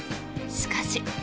しかし。